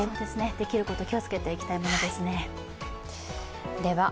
できることは気をつけていきたいものですね。